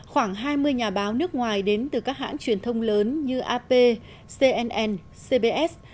khoảng hai mươi nhà báo nước ngoài đến từ các hãng truyền thông lớn như ap cnn cbs